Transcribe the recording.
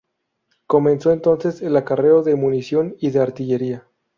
Comenzó entonces el acarreo de munición y de artillería.